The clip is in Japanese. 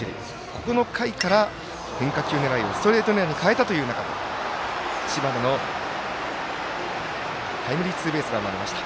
ここの回から、変化球狙いをストレート狙いに変えた中で知花のタイムリーツーベースが生まれました。